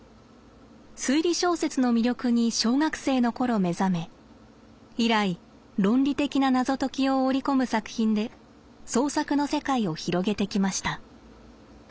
推理小説の魅力に小学生の頃目覚め以来論理的な謎解きを織り込む作品で創作の世界を広げてきました。